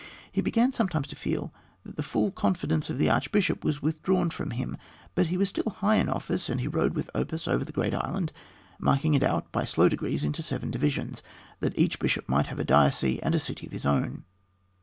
He began sometimes to feel that the full confidence of the archbishop was withdrawn from him, but he was still high in office, and he rode with Oppas over the great island, marking it out by slow degrees into seven divisions, that each bishop might have a diocese and a city of his own.